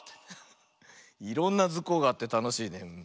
いろんな「ズコ！」があってたのしいね。